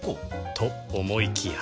と思いきや